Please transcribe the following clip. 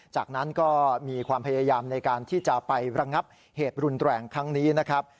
จากนั้นก็มีความพยายามในการที่จะไประงับเหตุรุนแรงครั้งนี้นะครับ